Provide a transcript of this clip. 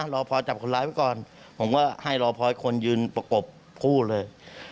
รอพอจับคนร้ายไว้ก่อนผมก็ให้รอพอยคนยืนประกบคู่เลย